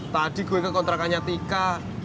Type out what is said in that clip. tadi gue kekontrakannya tika